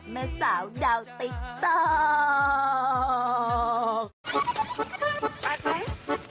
เมื่อสาวดาวติ๊กต้อง